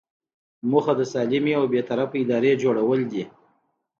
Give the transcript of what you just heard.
موخه د سالمې او بې طرفه ادارې جوړول دي.